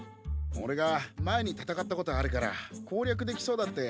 おれが前に戦ったことあるから攻略できそうだって話してたんだ。